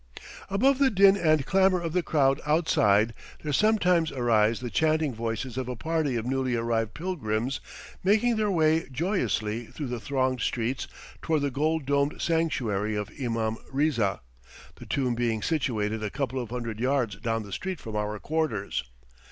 Above the din and clamor of the crowd outside there sometimes arise the chanting voices of a party of newly arrived pilgrims making their way joyously through the thronged streets toward the gold domed sanctuary of Imam Riza, the tomb being situated a couple of hundred yards down the street from our quarters.